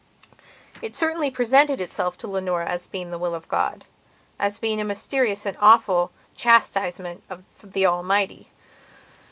It certainly presented itself to Leonora as being the Will of Godas being a mysterious and awful chastisement of the Almighty.